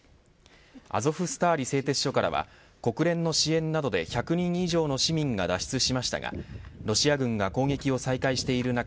アゾフスターリ製鉄所からは国連の支援などで１００人以上の市民が脱出しましたがロシア軍が攻撃を再開してる中